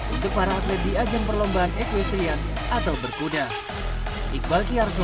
untuk para atlet di ajang perlombaan equestrian atau berkuda